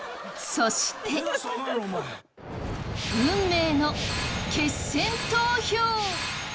そして、運命の決選投票！